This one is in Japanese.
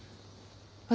私